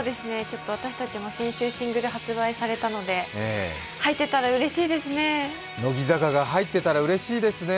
私たちも先週、シングル発売されたので入ってたらうれしいですね。